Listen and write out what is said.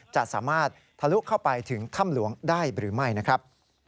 จะสามารถทะลุเข้าไปถึงถ้ำหลวงได้หรือไม่นะครับ